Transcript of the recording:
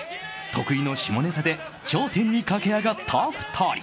得意の下ネタで頂点に駆け上がった２人。